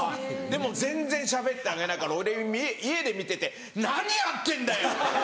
でも全然しゃべってあげないから俺家で見てて「何やってんだよ！」